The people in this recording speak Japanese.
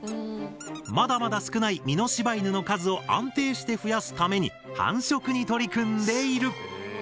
まだまだ少ない美濃柴犬の数を安定して増やすために繁殖に取り組んでいる。